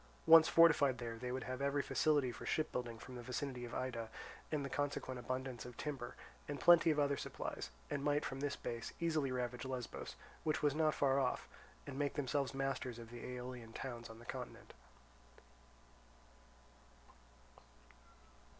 Once fortified there, they would have every facility for ship building from the vicinity of Ida and the consequent abundance of timber, and plenty of other supplies, and might from this base easily ravage Lesbos, which was not far off, and make themselves masters of the Aeolian towns on the continent.